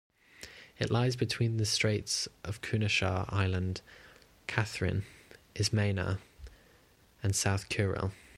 It lies between the straits of Kunashir Island, Catherine, Izmena, and South Kuril.